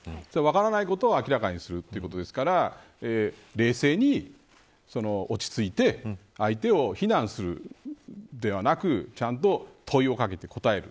分らないことを明らかにするということですから冷静に落ち着いて相手を批難するではなくちゃんと問いをかけて、答える。